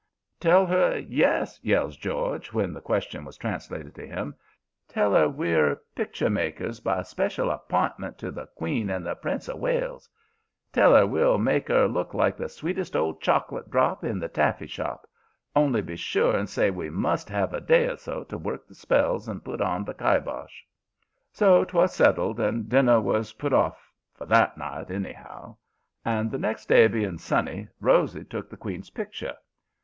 "'Tell 'er yes,' yells George, when the question was translated to him. 'Tell 'er we're picture makers by special app'intment to the Queen and the Prince of Wales. Tell 'er we'll make 'er look like the sweetest old chocolate drop in the taffy shop. Only be sure and say we must 'ave a day or so to work the spells and put on the kibosh.' "So 'twas settled, and dinner was put off for that night, anyhow. And the next day being sunny, Rosy took the queen's picture.